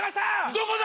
どこだ